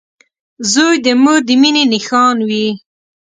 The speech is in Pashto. • زوی د مور د مینې نښان وي.